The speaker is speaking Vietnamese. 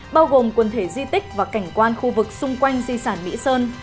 bao gồm quần thể di tích và cảnh quan khu vực xung quanh di sản mỹ sơn